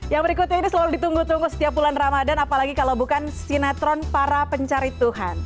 yang berikutnya ini selalu ditunggu tunggu setiap bulan ramadan apalagi kalau bukan sinetron para pencari tuhan